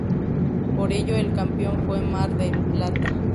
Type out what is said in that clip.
Por ello el campeón fue Mar del Plata.